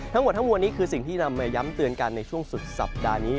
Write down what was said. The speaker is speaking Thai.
ทั้งหมดทั้งมวลนี้คือสิ่งที่นำมาย้ำเตือนกันในช่วงสุดสัปดาห์นี้